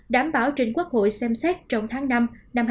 đảm bảo trình quốc hội xem xét trong tháng năm năm hai nghìn hai mươi bốn